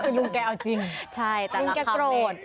คือลุงแกเอาจริงลุงแกโกรธ